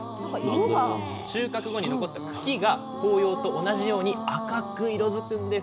収穫後に残った茎が紅葉と同じように赤く色づくんです。